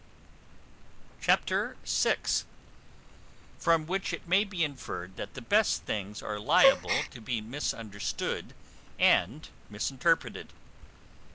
Chapter vi. From which it may be inferred that the best things are liable to be misunderstood and misinterpreted.